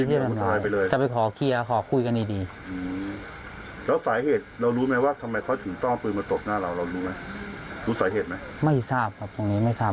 เวลานานไหมกว่าที่เขาจะชับปืนมันยิ่ง